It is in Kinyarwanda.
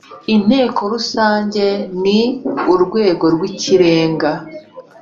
Inteko Rusange ni Urwego rw ikirenga